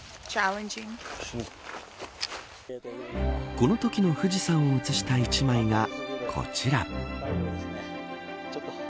このときの富士山を写した一枚がこちら。